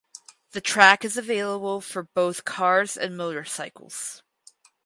The track is available for both cars and motorcycles.